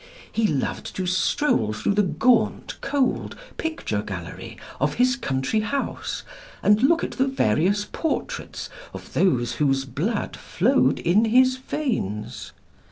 He loved to stroll through the gaunt cold picture gallery of his country house and look at the various portraits of those whose blood flowed in his veins.